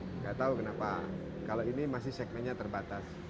tidak tahu kenapa kalau ini masih segmennya terbatas